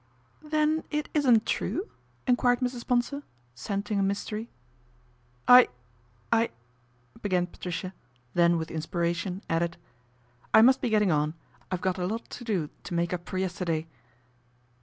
" Then isn't it true ?" enquired Mrs. Bonsor, scenting a mystery. " I I " began Patricia, then with inspira tion added, " I must be getting on, I've got a lot to do to make up for yesterday."